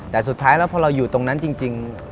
แต่สุดท้ายแล้วพอเราอยู่ตรงนั้นจริง